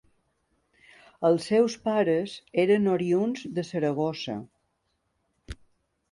Els seus pares eren oriünds de Saragossa.